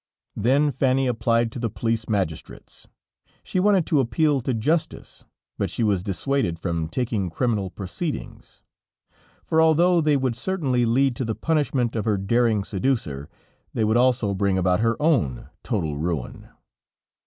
Then Fanny applied to the police magistrates; she wanted to appeal to justice, but she was dissuaded from taking criminal proceedings; for although they would certainly lead to the punishment of her daring seducer, they would also bring about her own total ruin.